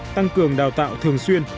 tăng cường đào tạo thường xuyên